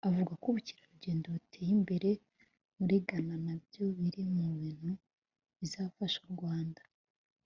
Avuga ko ubukerarugendo buteye imbere muri Ghana na byo biri mu bintu bizafasha u Rwanda